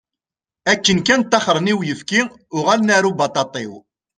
Akken kan taxṛen i uyefki, uɣalen ar ubaṭaṭiw.